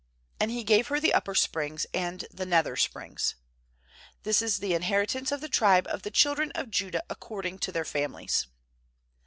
And he gave her the Upper Springs and the Nether Springs. 20This is the inheritance of the tribe of the children of Judah according to their families.